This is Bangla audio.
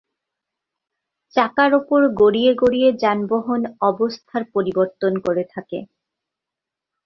চাকার উপরে গড়িয়ে গড়িয়ে যানবাহন অবস্থান পরিবর্তন করে থাকে।